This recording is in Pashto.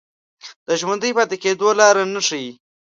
د ژوندي پاتې کېدو لاره نه ښييلې